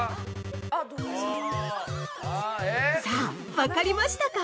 さぁ、分かりましたか？